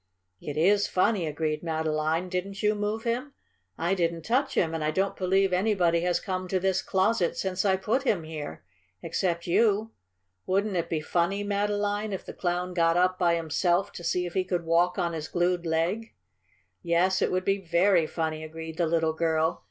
"It IS funny," agreed Madeline. "Didn't you move him?" "I didn't touch him, and I don't believe anybody has come to this closet since I put him here, except you. Wouldn't it be funny, Madeline, if the Clown got up by himself to see if he could walk on his glued leg?" "Yes, it would be very funny," agreed the little girl.